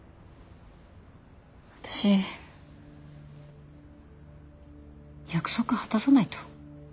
私約束果たさないと。